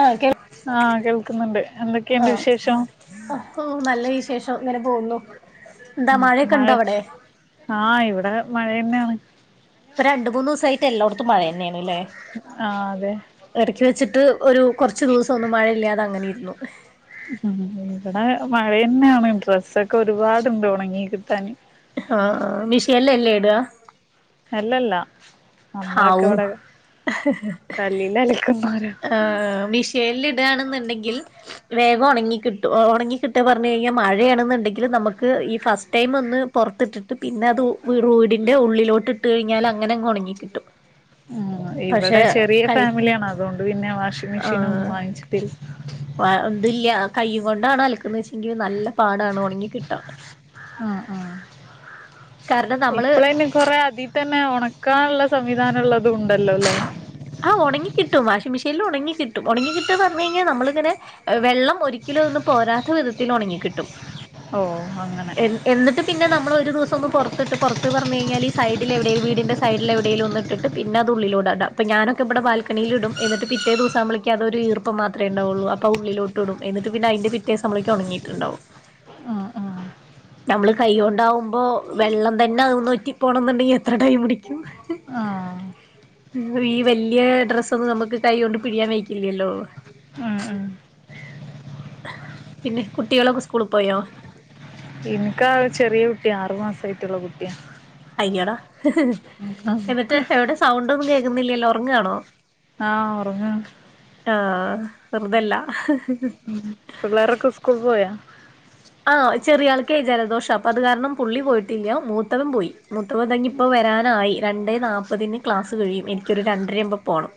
ആഹ് കേ ആഹ് കേൾക്ക്ന്ന്ണ്ട് എന്തൊക്കെണ്ട് വിശേഷം ഹൊ ഹോ നല്ല വിശേഷം ഇങ്ങനെ പോകുന്നു എന്താ മ് മഴയൊക്കെ മഴ ഉണ്ടോ അവിടെ ആഹ് ഇവടെ മഴന്നേണ് ഇപ്പ രണ്ട് മൂന്ന് ദൂസായിട്ട് എല്ലാട ത്തും മഴന്നേണ്ല്ലെ ആഹ് അതെ എടക്ക് വെച്ചിട്ട് ഒരു കൊറച്ച് ദുവസം ഒന്നും മഴയില്ലാതെ അങ്ങനെ ഇര്ന്നു ഉം ഇവടെ മഴന്നേണ് ഡ്രസ്സൊക്കെ ഒര്പാട്ണ്ട് ഒണങ്ങി കിട്ടാന് ആഹ് മിഷേനിലല്ലെ ഇടാ അല്ലല്ല നമ്മളൊക്കെ ഹാവൂ ഇവിടെ കല്ലിൽ അലക്കുന്നോരാ ആഹ് മിഷി ലില്ല് ഇടാണ്ന്നുണ്ടെങ്കിൽ വേഗം ഉണങ്ങി കിട്ടും ഉണങ്ങി കിട്ടാ പർഞ് കഴിഞ്ഞാ മഴേണ്ന്ന്ണ്ടെങ്കി നമ്മക്ക് ഈ ഫസ്റ്റ് ടൈം ഒന്ന് പൊർത്ത്ട്ട്ട്ട് പിന്നെ അത് വീടിന്റെ ഉള്ളിലോട്ട് ഇട്ട് കഴിഞ്ഞാല് അങ്ങനങ്ങ് ഒണങ്ങി കിട്ടും മ് പക്ഷെ ഇവടെ ചെര്യേരു കൈ ഫാമിലിയാണ്. അതോണ്ട് പിന്നെ വാഷിംഗ് മെഷീനൊന്നും വാങ്ങിച്ചിട്ടില്ല വാ തില്ല കൈയ്യും കൊണ്ടാണ് അലക്കുന്നെച്ചെങ്കി നല്ല പാടാണ് ഒണങ്ങി കിട്ടാൻ ആഹ് ആഹ് കാരണം നമ്മള് ഇപ്പളൈന് കൊറേ അതി തന്നെ ഒണക്കാള്ള സംവിധാനള്ളതുണ്ടല്ലോല്ലെ ആഹ് ഒണങ്ങി കിട്ടും, വാഷിങ് മെഷീൻല് ഒണങ്ങി കിട്ടും ഒണങ്ങി കിട്ടാന്ന് പർഞ് കഴിഞ്ഞാ നമ്മളിങ്ങനെ വെള്ളം ഒരിക്കലും അതീന്ന് പോരാത്ത വിധത്തിലൊണങ്ങി കിട്ടും ഓഹ് അങ്ങനെ എന്നിട്ട് പിന്നെ നമ്മള് ഒരു ദിവസൊന്ന് പൊറത്ത്ട്ട് പൊർത്ത് പർഞ്കൈഞ്ഞാല് ഈ സൈഡിലെവിടേലും വീടിന്റെ സൈഡിലെവിടേലും ഒന്ന്ട്ട്ട്ട് പിന്നെ അത് ഉള്ളിലൂടെടാം. അപ്പ ഞാനൊക്കെ ഇവടെ ബാൽക്കണില്ടും എന്ന്ട്ട് പിറ്റേ ദിവസാകുമ്പളേക്കും അതൊരു ഈർപ്പ പ്പം മാത്രേണ്ടാവൊള്ളൂ അപ്പം ഉള്ളിലൊട്ട്ടും. എന്നിട്ട് പിന്നെ അയിന്റെ പിറ്റേസാവുമ്പളേക്കും ഒണങ്ങീറ്റ്ണ്ടാവും ആഹ് ആഹ് നമ്മള് കൈയ്യോണ്ടാവുമ്പോ വെള്ളം തന്നെ അതീന്ന് ഒറ്റി പോണം ന്ന്ണ്ടെങ്കിൽ എത്ര ടൈം പിടിക്കും ആഹ് ഈ വല്ല്യേ ഡ്രസ്സൊന്നും നമ്മക്ക് കൈകൊണ്ട് പിഴിയാൻ വെയ്ക്കില്ലല്ലോ ആഹ് ആഹ് പിന്നെ കുട്ട്യാളൊക്കെ സ്കൂള് പോയോ ഇൻക്കാ ചെറ്യേ കുട്ട്യാ, ആറ് മാസായ്റ്റ്ള്ള കുട്ട്യാ അയ്യടാ എന്നിട്ട് എവിടെ സൗണ്ടൊന്നും കേക്ക്ന്നില്ല്യ ല്ലോ ഒറങ്ങ് ആണോ ആഹ് ഒറങ്ങ ആഹ് വെറുതല്ല ഉമ് പിള്ളേരൊക്ക സ്കൂൾ പോയാ ആഹ് ചെറിയ ആൾക്കേ ജലദോഷം അപ്പൊ അത് കാരണം പുള്ളി പോയിട്ടില്ല മൂത്തവൻ പോയി മൂത്തവൻ തങ്ങി ഇപ്പം വെരാനായി രണ്ടെ നാപ്പതിന് ക്ലാസ്സ് കഴിയും എനിക്കൊരു രണ്ടരയാവുബം പോണം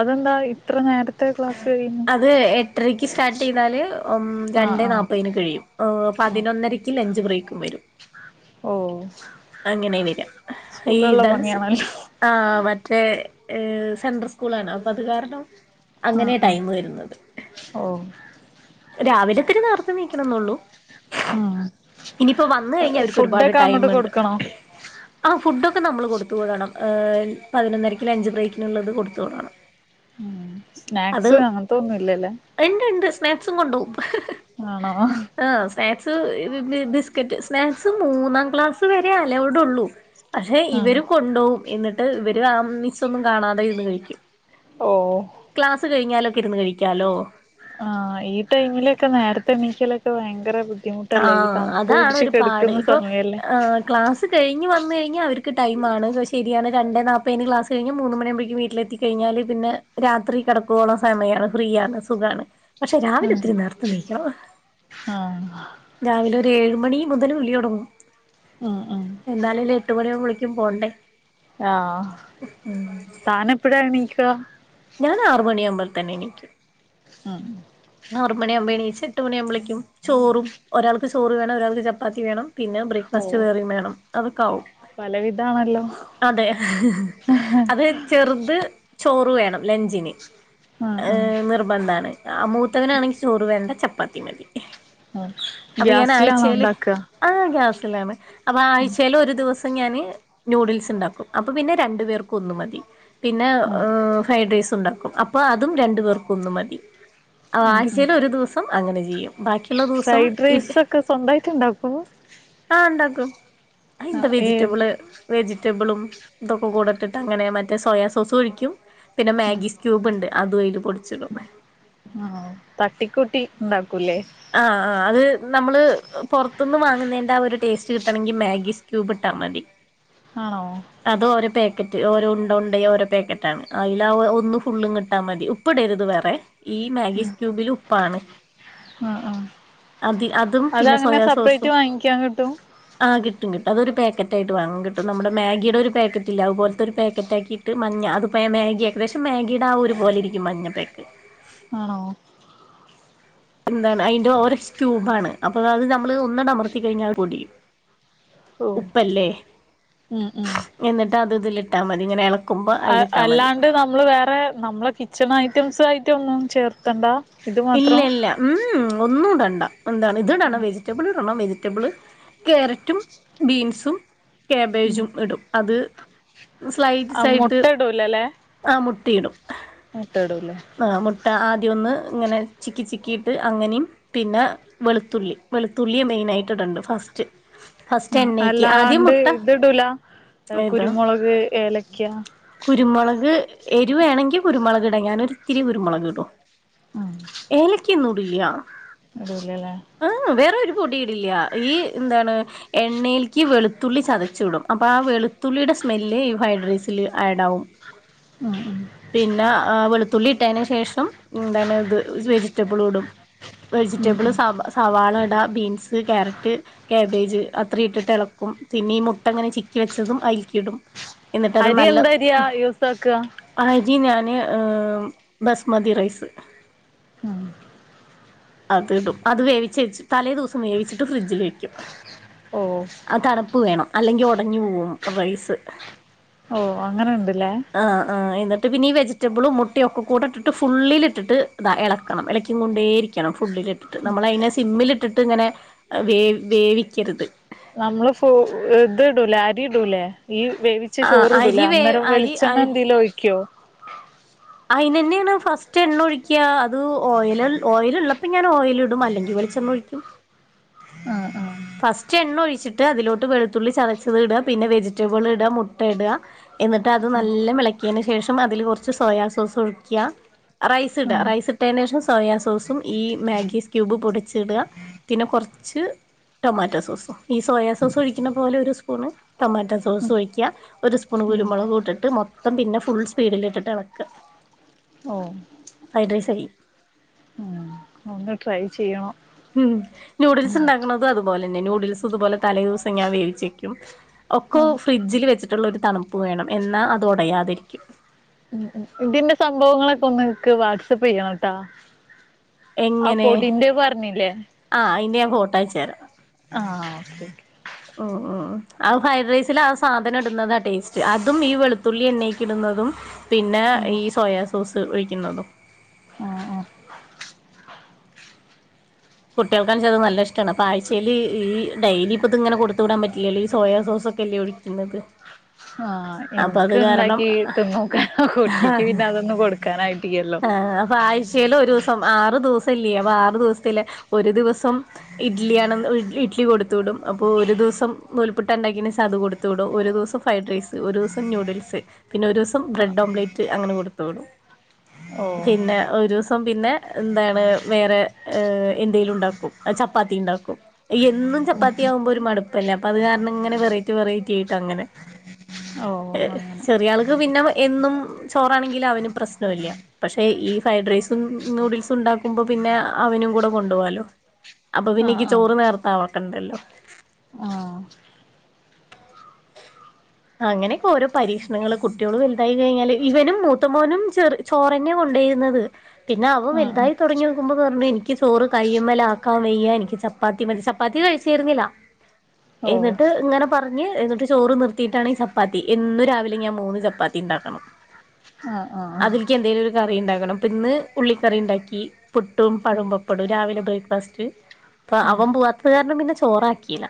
അതെന്തായി ഇത്ര നേരത്തെ ക്ല സുവിനു അത് എട്ടരയ്ക്ക് സ്റ്റാർട്ട് ചെയ്താല് ഓഹ് ആഹ് ആഹ് രണ്ടെനാപ്പതിന് കഴിയും ഓഹ് പതിനൊന്നര ഇ ലഞ്ച് ബ്രേക്കും വെരും ഓഹ് അങ്ങനെ വെര ഈ സുഖള്ള ഡാസ് പണിയാണല്ലോ ആഹ് മറ്റേ സെൻട്ര സ്കൂളാണ് അപ്പൊ അത് കാരണം അങ്ങനെ ടൈം വെര്ന്നത് ഓ രാവിലെ ത്തിരി നേർത്തെ നീക്കണ ന്നേള്ളൂ ആഹ് ഇനിയിപ്പോ വന്ന് കഴിഞ്ഞാ അവര്ക്ക് ഒരുപാട് ഫുഡൊക്കെ അങ്ങോട്ട് ടൈമ്ണ്ട് കൊടുക്കണോ ആ ഫുഡൊക്കെ നമ്മൾ കൊടുത്തു വിടണം പതിനൊന്നരക്കി ലഞ്ച് ബ്രേക്കിന്ള്ളത് കൊടുത്തു വിടണം ഉ അത് സ്നാക്സ് അങ്ങനത്തൊന്നും ഇല്ലല്ലേ ഉണ്ട് ഉണ്ട് സ്നാക്സും കൊങ്ങോവും ആണോ ആഹ് സ്നാക്സ് ബിസ്ക്കറ്റ് സ്നാക്സ് മൂന്നാം ക്ലാസ് വരെ അലോവ്ടെള്ളൂ അക്ഷെ ആഹ് ഇവര് കൊണ്ടോവും എന്നിട്ട് ഇവര് അംമിസൊന്നും കാണാതെ ഇരുന്ന് കഴിക്കും ഓഹ് ക്ലാസ് കിഞ്ഞാലൊക്കെ ഇരുന്ന് കഴിക്കാലോ ആഹ് ഈ ടൈമിലെക്കെ നേരത്തെ എണിക്കലൊക്കെ ഭയങ്കര ബു ബുദ്ധിമുട്ടല്ലേ ഈ ആഹ് തണുപ്പു അതാണ് പുടിച്ച് ഒരു പാട് കെടക്ക്ന്ന ഇപ്പൊ സമയല്ലേ ആഹ് ക്ലാസ് കഴിഞ്ഞ് വന്ന് കഴിഞ്ഞ അവര്ക്ക് ടൈമ ആണ് പഷേ ശെരി ആണ് രണ്ടേ നാപ്പേന് ക്ലാസ് കഴിഞ്ഞ് മൂന്ന് മണി ആവുമ്പയേക്കും വീട്ടിലെത്തി കെഴിഞ്ഞാല് പിന്നെ രാത്രി കെടക്കുവോളം സമയാണ് ഫ്രീ ആണ് സുഖാണ് പക്ഷെ രാവിലെ ഉം ഇത്തിരി നേരത്തെ നീക്കണം ഹ രാവിലെ ഒര് ഏഴ് മണി മുതൽ വിളി ഒടങ്ങും ഉം ഉം എന്നാലല്ലെ എട്ട് മണി ആവുമ്പളക്കും പോണ്ടേ ആഹ് താൻ എപ്പഴാ എണീക്ക ഞാൻ ആറ് മണിയാവുബൾ തന്നെ എണീക്കും ആഹ് ആറ് മണിയാവുബേ എണീച്ച് എട്ട് മണിയുമ്പളേക്കും ചോറും ഒരാൾക്ക് ചോറ് വേണം ഒരാൾക്ക് ചപ്പാത്തി വേണം പിന്നെ ഓ ബ്രേക്ക്ഫാസ്റ്റ് വേറയും വേണം അതൊക്ക ആവും പലവിധാണല്ലോ അതെ അത് ചെർത് ചോറ് വേണം ലഞ്ചിന് ആഹ് ആഹ് ഏഹ് നിർബന്ധാണ് ആ മൂത്തവനാണെങ്കി ചോറ് വേണ്ട ചപ്പാത്തി മതി ആഹ് അപ്പൊ ഞാൻ ഗ്യാസിലാണോ ആഴ്ചയില് ഇണ്ടാക്ക ആ ഗ്യാസിലാണ് അപ്പ ആഴ്ചേല് ഒരു ദിവസം പ്പ ഞാൻ ന്യൂഡിൽസ് ഇണ്ടാക്കും അപ്പൊ പിന്നെ രണ്ട് പേർക്കും ഒന്ന് മതി പിന്നെ ആഹ് ഏഹ് ഫ്രെഡ് റൈസുണ്ടാക്കും അപ്പ അതും രണ്ട് പേർക്കും ഒന്ന് മതി ഉം ഉം ആഴ്ച്ചെല് ഒരു ദുസം പ്പം അങ്ങനെ ചെയ്യും ബാക്കിള്ള ദുവസം ഫ്രൈഡ് ഇഡ് റൈസൊക്കെ സ്വന്തായിട്ട് ഇണ്ടാക്കോ ആഹ് ണ്ടാക്കും അയിന്താ ആഹ് ഏത് വെജിറ്റബിള് വെജിറ്റബിളും ഇതൊക്ക കൂടെ ഇട്ടിട്ട് അങ്ങനെ മറ്റേ സോയാ സോസും ഒഴിക്കും പിന്നെ ഉം മാഗി സ്ക്യൂ ബ്ണ്ട് അതും അയിൽ പൊടിച്ചിടും ആഹ് തട്ടി ക്കൂട്ടി ണ്ടാക്കുലേ ആഹ് ആഹ് അത് നമ്മള് പുറത്തുന്ന് വാങ്ങുന്നെന്റെ ആ ഒരു ടേസ്റ്റ് കിട്ടണെങ്കി മാഗീസ് ക്യൂബ് ഇട്ടാ മതി ആണോ? അത്ഓരോപേക്കറ്റ്ഓരോണ്ടണ്ടയോരോപേക്കറ്റാണ്അയില ഒന്ന് ഫുുള്ളുങ്ങിട്ടാമതിയൊ ഇപ്പ്ടര്ത് വേറെ ഈ മാഗീസ് ക്യൂബില് ഉപ്പാണ് ആഹ് ആഹ് അതങ്ങനെ അതിഅതുംപിന്നെസോയാ സെപ്പറേറ്റ് സോസും വാങ്ങിക്കാൻ കിട്ടും ആഹ്കിട്ടും കിട്ടും അതൊരു പേക്കറ്റായിയിട്ട് വാങ്ങാകിട്ടും നമ്മുടെമാ ഗിയിടൊരുപേക്കറ്റില്ലേഅയിപോലത്തൊരുപേക്കറ്റാക്കിയിട്ട്മഞ്ഞ അത് പേമേഗിഏകദേശംമേഗിയിടെ ആഒരുപോലെയിരിക്കും ഈമഞ്ഞപൈക്ക് ആണോ? എന്താണ് അതിന്റോരോസ് ക്യൂബണ് അപ്പഅത് നമ്മള് ഒന്നണ്ടമർത്തികഴിഞ്ഞ അയി പൊടിയും ഓഹ് ഉം ഉം ഉപ്പല്ലേഎന്നിട്ടത് ഇതിലിട്ടാ മതി ഇങ്ങനെ എള അഹ്അല്ലാണ്ട് നമ്മള് വേറെ നമ്മള് കിച്ചൺഐറ്റംസായിറ്റൊന്നുംചേർത്തണ്ട ഇല്ല്യഇല്ല്യ ഉം ഒന്നുടണ്ടഎന്താണ് ഇതി ഉം ടണംവെജി വെജിറ്റബ്‌ളിടണംവെജിറ്റബിള് കേരറ്റുംബീൻസുംച ഉം കേബേജും ഇടുംഅത് സ്ലൈഡ്സായിട്ട് ടുല്ലല്ലേ ആമുട്ടിയിടും മുട്ടടുലെ ആമുട്ടആദ്യന്ന്ഇങ്ങനെചിക്കി ചിക്കിയിട്ട്അങ്ങനെയും പിന്നെവെളുത്തുള്ളിവെളുത്തുള്ളി മെയിനായിട്ടിടണ്ട്ഫസ്റ്റ് ആഹ് അല്ലാണ്ട് ഇത്ടുല ഏതാ കുരുമുളക് ഏലക്ക കുരുമുളക് എരുവേണെങ്കിൽ കുരുമുളകിടാഞാനൊരിത്തിരി കുരുമുളകിടും ഏലക്കൊന്നുംടില്ല്യാ ഇടൂലല്ലേ ആഹ് വേറൊരു പൊടില്ല്യാ ഈ ന്താണ് എണ്ണേൽക്ക് വെളുത്തുള്ളി ചതച്ചിടും അപ്പോ ആ വെളുത്തുള്ളിയുടെ സ്മെല്ല് ഈ ഫൈഡ്രൈസിൽ ആഡാവും ആഹ് ആഹ് ഇട്ടയിന്ശേഷംന്താണ്ത് ഉം ഉം വേജിറ്റബിള്‌ടുംവെജിറ്റബിൾസ് സബ സവാളട ബീൻസ് ക്യാരറ്റ് കേബേജ് അത്രയിട്ടിട്ട് എളക്കും പിന്നെ ഈ മുട്ടങ്ങനെചിക്കി വെച്ചതുംഅയിൽക്കിയിടും എന്നിട്ടത് അരി നല്ല എന്തരിയാ യൂസാക്ക അരിഞാനെ ബസ്മതിറൈസ് ഉം അത്ടുംഅത് വേവിചെച്ച് തലേ ദിവസം വേവിച്ചിട്ട് ഫ്രിഡ്ജിലെക്കും ഓഹ് ആ തണുപ്പ് വേണം അല്ലെങ്കി ഒടഞ്ഞ്പോവുംറൈസ് ഓ അങ്ങനെണ്ട്ല്ലേ ആ ആ എന്നിട്ട് പിന്നെഈ വെജിറ്റബിളുംമുട്ടയൊക്കെകൂടെട്ടിട്ട് ഫുള്ളിൽട്ടിട്ട് ഇതാ എളക്കണം ഇളക്കി കൊണ്ടേരിക്കും ക്കണം ഫുളിലിട്ടിട്ട് നമ്മളയിനെ സിമ്മിലിട്ടിട്ട്ങ്ങനെ വേ വേവിക്കരുത് നമ്മള്ഫു ഇതുടൂലെ അരിടൂലേഈ വേവി ച്ച ആ ചോറൂടുലെ അരി വേ അരി അന്നേരംവെളിച്ചെണ്ണലെന്തേലുംഒയ്ക്കോ അയിന്ന്നെയാണ്ഫസ്റ്റ്എണ്ണ ഒയിക്ക്യഅത്ഓയിൽ ഓയിലി ള്ളപ്പോ ഞാൻ ഓയിലിടും അല്ലെങ്കി വെളി ച്ചണ്ണോഴിക്കും ആഹ് ആഹ് ഫസ്റ്റ്എണ്ണഒഴിച്ചിട്ട് അതിലോട്ട് വെളുത്തുള്ളി ചതച്ചതിട പിന്നെ വെജിറ്റബിളിടാമുട്ടടാ എന്നിട്ട്അത് നല്ലവെളക്കിയന് ശേഷംഅതില് കൊറച്ച് സോയാ സോസ്ഒഴിക്ക റൈസ്ഇട ഉം റൈസ് ഇട്ടയിനേഷം സോയാസോസുംഈമാഗിസ്ക്യൂബ് പൊടിച്ചീട പിന്നെ കൊറച്ച് ടൊമാറ്റോസോസുംഈസോയ സോസ് ഒഴികകെണപോലെ ഒരു സ്പൂണ് ടൊമാറ്റോസോസ് ഒഴിക്ക ഒരു സ്പൂൺ ഉം കുരുമുളകിട്ടിട്ട്മൊത്തം പിന്നെ ഫുൾ സ്പീഡിൽട്ടിട്ട് എളക്ക ഓഹ് ഫൈഡ്രസ് ഒന്ന് ട്രൈ ചെയ്യണം ഹ്മ് നൂഡിൽസ്ണ്ടാക്ക്ണതും അത്പോലെന്നെ നൂഡിൽസ്ത്പോലെ തലേ ദിവസം ഞാൻ വേവിച്ച്വെക്കും ഒക്കൊ ആഹ് ഫ്രിഡ്ജില് വെച്ചിട്ടുള്ളൊരു തണുപ്പ് വേണം എന്നാ അത് ഒടയാതിരിക്കും ഉം ഉം ഇതിന്റെ സംഭവങ്ങളൊക്കൊന്നെനിക്ക് വാട്സപ്പെയ്യണംട്ടാ എങ്ങനെ പറഞ്ഞില്ലേ ആ അയിന്റെ ഞാൻ ഫോട്ടയച്ചരാം ആഹ് ഓക്കെ ഓക്കെ ഹ്മ് ഹ്മ് ആ ഫ്രൈഡ്രൈസിലാ സാധനിടുന്നതാ ടേസ്റ്റ്, അതും ഈ വെളുത്തുള്ളി എണ്ണയ്ക്കിടുന്നതും പിന്നെ ഓക്കെ ഉം ഈ സോയസോസ് ഒഴിക്കുന്നതും ആഹ് ആഹ് കുട്ടികൾക്കാണെച്ചാത് നല്ല ഇഷ്ടാണ് അപ്പ ആഴ്ച്ചയില് ഈ ഡെയ്ലിപ്പതിങ്ങനെ കൊടുത്ത് വിടാ പറ്റില്ലല്ലോ ഈ സോയാ സോസൊക്കെല്ലേ ഒഴി പിന്നത് ആഹ് എനിക്ക്ണ്ടാക്കിതിന്ന് നോക്ക കുട്ടിക്ക് പിന്നെ അതൊന്നും കൊടുക്കാനായിട്ടില്ലല്ലോ ആഹ് അപ്പൊ ആഴ്ചയിലൊരൂസം ആറു ദിവസില്ലേ അപ്പൊ ആറു ദിവസത്തില് ഒരു ദിവസം ഇഡ്ലിയാണെന്ന് ഇഡ്ലി കൊടുത്ത്വിടും അപ്പൊ ഒരു ദിവസം നൂൽപ്പുട്ട്ണ്ടാക്കിനാ അത് കൊടുത്ത് കൊട്ത്ത്വിടും. ഒരു ദിവസം ഫ്രൈഡ്റൈസ്, ഒരു ദിവസം ന്യൂഡിൽസ്, പിന്നെ ഒരു ദിവസം ബ്രഡ് ആഹ് ഓംലേറ്റ് അങ്ങനെ കൊട്ത്ത്വിടും ഓഹ് പിന്നെ ഒരുദിവസം പിന്നെ എന്താണ് വേറെ ഏഹ് എന്തെലുണ്ടാക്കും ചപ്പാത്തിയ്ണ്ടാക്കും എന്നും ഉം ഉം ചപ്പാത്തിയാവുമ്പൊരു മട്പ്പല്ലേ അപ്പൊ അത് കാരണം ഇങ്ങനെ വെറൈറ്റി വെറൈറ്റിയായിട്ടങ്ങനെ ഓഹ് അങ്ങനെ ചെറിയാള്ക്ക് പിന്നെ എന്നും ചോറാണെങ്കിലവന് പ്രശ്നവില്ല പക്ഷെ ഈ ഫ്രൈഡ്രൈസും നൂഡിൽസുണ്ടാക്കുമ്പൊ പിന്നെ അവനും കൂട കൊണ്ടുപോവാലോ ആഹ് അപ്പൊപ്പിന്നെനിക്ക് ചോറ് നേറത്ത വെക്കണ്ടല്ലോ ആഹ് [inaudible] അങ്ങനെയൊക്കോരോ പരീക്ഷണങ്ങള് കുട്ടികള് വലുതായിക്കഴിഞ്ഞാല് ഇവനും മൂത്തമോനും ചെറ് ചോറെഞ്ഞെ കൊണ്ടോയിരുന്നത് പിന്നെ അവൻ ആഹ് ആഹ് വലുതായി തൊടങ്ങിനോക്കുമ്പൊ പറഞ്ഞു എനിക്ക് ചോറ് കയ്യുമ്മലാക്കാൻ വയ്യാ എനിക്ക് ച ചപ്പാത്തി മതി ചപ്പാത്തി കഴിച്ചിരുന്നില്ല ആഹ് ഓഹ് എന്നിട്ട് ഇങ്ങനെ പറഞ്ഞ് ചോറ് നിർത്തിട്ടാണീ ചപ്പാത്തി, എന്നും രാവിലെ ഞാൻ മൂന്ന് ചപ്പാത്തിയ്ണ്ടാക്കണം ആഹ് ആഹ് അതില്ക്കെന്തേലൊരു കറിയ്ണ്ടാക്കണം, അപ്പിന്ന് ഉള്ളിക്കറിയ്ണ്ടാക്കി പുട്ടും ഉം പഴവും പപ്പടവും രാവിലെ ബ്രേക്ക്ഫാസ്റ്റ് അപ്പൊ ആഹ് അവൻ പോവാത്തത് കാരണം പിന്നെ ചോറാക്കിയില്ല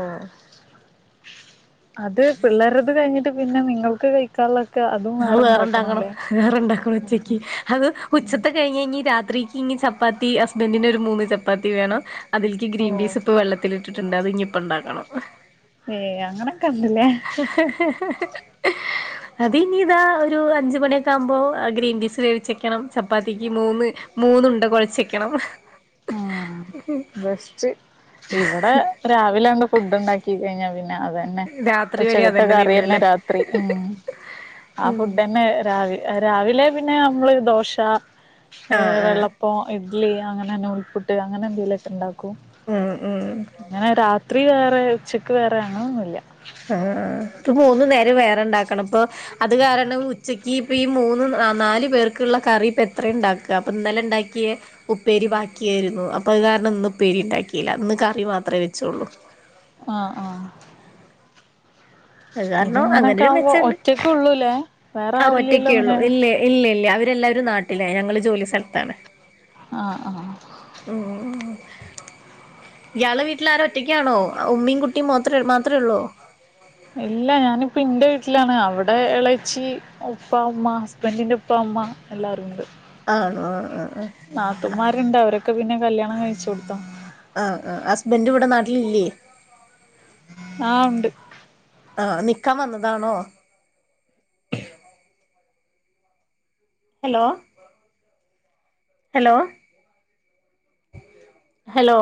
ഓഹ് അത് പിള്ളേർടത് കഴിഞ്ഞിട്ട് പിന്നെ നിങ്ങൾക്ക് കഴിക്കാനുള്ള അത് വേറെണ്ടാക്കണം വേറെണ്ടാക്കണം ഉച്ചക്ക് അത് ഉച്ചത്തെ കഴിഞ്ഞ്നി രാത്രിക്ക് ഇനി ചപ്പാത്തി ഹസ്ബന്റിനൊരു മൂന്ന് ചപ്പാത്തി വേണം അതിൽക്ക് ഓഹ് ഗ്രീൻപീസ്പ്പൊ വെള്ളത്തിലിട്ടിട്ടുണ്ട് അതിനിപ്പ്ണ്ടാക്കണം ഏഹ് അങ്ങന ഹ്-ഹ്-ഹ്-ഹ്-ഹ് [inaudible] അതിനി ഇതാ ഒരു അഞ്ച് മണിയൊക്കാകുമ്പൊ ഗ്രീൻപീസ് വേവിച്ചെക്കണം, ചപ്പാത്തിക്ക് മൂന്ന് മൂന്നുണ്ട കൊഴച്ചെക്കണം ആഹ് ബെസ്റ്റ് ഇവിടെ രാവിലങ്ങ്ണ്ട് ഫുഡ്ണ്ടാക്കി കഴിഞ്ഞാ പിന്നെ അതെ ന്നെ രാത്രി വരെ ഉച്ചെക്കത്തെ അതന്നെ കറിയെന്നെ തിന്നൂല്ലേ രാത്രി ഉം ആ ഫുഡെന്നെ രാ രാവിലെ പിന്നെ നമ്മള് ദോശ ഏ ആഹ് ആഹ് വെള്ള പ്പം ഇഡ്ലി അങ്ങനെ നൂൽപുട്ട് അങ്ങനെന്തെലൊക്ക്ണ്ടാക്കും ഹ്മ് ഹ്മ് ഇങ്ങനെ രാത്രി വേറെ ഉച്ചക്ക് വേറെ അങ്ങനൊന്നുല്ല ആണ് ഇപ്പ മൂന്ന് നേരം വേറെണ്ടാക്കണം ഇപ്പൊ അത് കാരണം ഉച്ചക്ക് ഈ ഇപ്പീ മൂന്ന് നാല് പേർക്കുള്ള കറി ഇപ്പെത്രയ്ണ്ടാക്കാ അപ്പം ഇന്നലെ ഇണ്ടാക്കിയ ഉപ്പേരി ബാക്കിയായിരുന്നു അപ്പൊ അത് കാരണം ഇന്ന് ഉപ്പേരി ഇണ്ടാക്കിയില്ല ഇന്ന് കറി മാത്രേ വെച്ചൊള്ളൂ ആഹ് ആഹ് അത് കാരണം അങ്ങനൊരു മെച്ചണ്ട് ള്ളൂല്ലേ ആഹ് ഒറ്റക്കേള്ളൂ ഇല്ലേ ഇല്ല ഇല്ലേ അവരെല്ലാവരും നാട്ടിലേ ഞങ്ങള് ജോലി സ്ഥലത്താണ് ആഹ് ആഹ് ഉം ഉം ഇയാളെ വീട്ടില ആര ഒറ്റക്കാണോ ഉമ്മയും കുട്ടിയും മാത്ര മാത്രേ ഉള്ളോ ഇല്ല ഞാനിപ്പ എന്റെ വീട്ടിലാണ് അവിടെ ഇളച്ചി ഉപ്പാ ഉമ്മ ഹസ്ബൻറിന്റെ ഉപ്പ ഉമ്മ എല്ലാരും ഉണ്ട് ആണോ ആഹ് ആഹ് ആഹ് നാത്തന്മാരുണ്ട് അവരൊക്കെ പിന്നെ കല്യാണം കഴിച്ചു കൊടുത ആഹ് ആഹ് ഹസ്ബൻറ് ഇവിടെ നാട്ടിലില്ലേ ആഹ് ഒണ്ട് ആഹ് നിക്കാൻ വന്നതാണോ ഹലോ ഹലോ ഹലോ